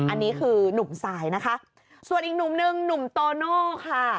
อันนี้คือหนุ่มสายนะคะส่วนอีกหนุ่มหนึ่งหนุ่มโตโน่ค่ะ